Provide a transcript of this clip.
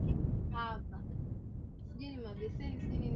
muziki bora wa kisasa unatengenezwa kwa haraka sana